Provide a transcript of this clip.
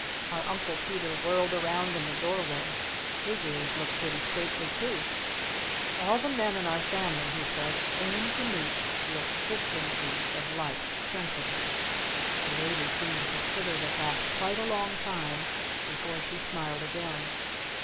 Our Uncle Peter whirled round in the door way. His ears looked pretty stately too. "All the men in our family," he said, "aim to meet the exigencies of life sensibly." The Lady seemed to consider the fact quite a long time before she smiled again.